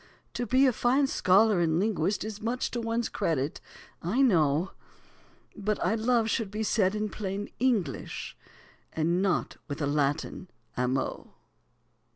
To be a fine scholar and linguist Is much to one's credit, I know, But "I love" should be said in plain English, And not with a Latin "amo."